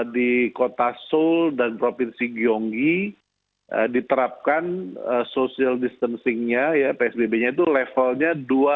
di kota seoul dan provinsi gyeonggi diterapkan social distancingnya ya psbb nya itu levelnya dua